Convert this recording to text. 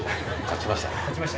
・勝ちましたね。